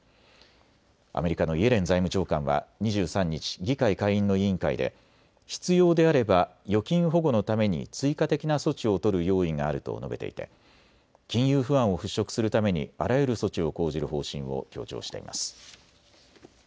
アメリカのイエレン財務長官は２３日、議会下院の委員会で必要であれば預金保護のために追加的な措置を取る用意があると述べていて金融不安を払拭するためにあらゆる措置を講じる方針を強調しています。